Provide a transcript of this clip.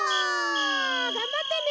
がんばってね。